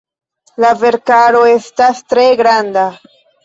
La verkaro estas tre granda.